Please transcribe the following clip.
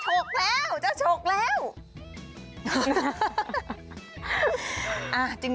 โอ้โฮจะโฉกแล้ว